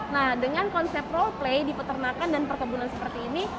nah dengan konsep role play di peternakan dan perkebunan seperti ini